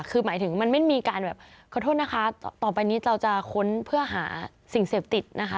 คือหมายถึงมันไม่มีการแบบขอโทษนะคะต่อไปนี้เราจะค้นเพื่อหาสิ่งเสพติดนะคะ